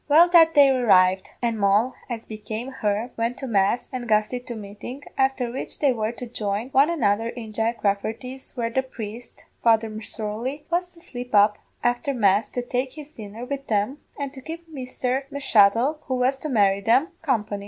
"Well, the day arrived, and Moll, as became her, went to mass, and Gusty to meeting, afther which they were to join one another in Jack Rafferty's, where the priest, Father M'Sorley, was to slip up afther mass to take his dinner wid them, and to keep Misther M'Shuttle, who was to marry them, company.